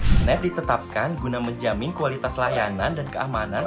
snap ditetapkan guna menjamin kualitas layanan dan keamanan